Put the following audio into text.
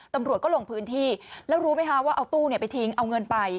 ตำรวจก็ลงพื้นที่แล้วรู้ไหมคะว่าเอาตู้ไปทิ้งเอาเงินไป